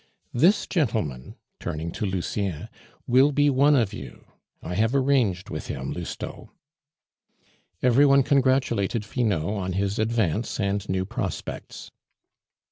This gentleman," turning to Lucien, "will be one of you. I have arranged with him, Lousteau." Every one congratulated Finot on his advance and new prospects.